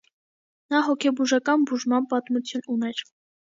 Նա հոգեբուժական բուժման պատմություն ուներ։